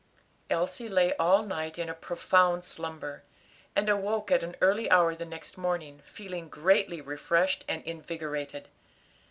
Elsie lay all night in a profound slumber, and awoke at an early hour the next morning, feeling greatly refreshed and invigorated.